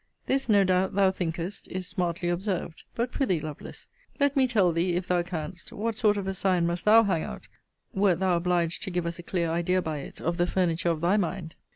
This, no doubt, thou thinkest, is smartly observed: but pr'ythee, Lovelace, let me tell thee, if thou canst, what sort of a sign must thou hang out, wert thou obliged to give us a clear idea by it of the furniture of thy mind?